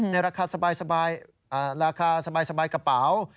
ในราคาสบายกระเป๋า